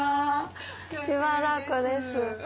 しばらくです。